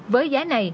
với giá này